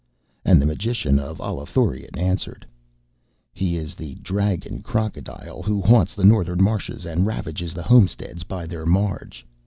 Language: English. And the magician of Allathurion answered: 'He is the dragon crocodile who haunts the Northern marshes and ravages the homesteads by their marge.